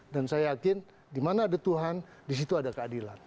dan saya yakin di mana ada tuhan di situ ada keadilan